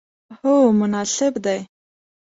هو، مناسب دی